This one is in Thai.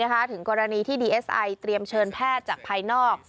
ก็นึ่งก็อรันนี้ที่ดีเอสไอเตรียมเชิญแพร่จากภายนอก